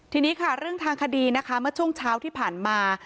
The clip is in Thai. ทีนี้ค่ะเรื่องทางคดีนะคะเมื่อช่วงเช้าที่ผ่านมา